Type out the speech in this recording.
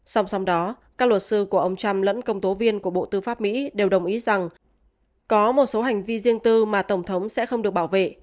song song đó các luật sư của ông trump lẫn công tố viên của bộ tư pháp mỹ đều đồng ý rằng có một số hành vi riêng tư mà tổng thống sẽ không được bảo vệ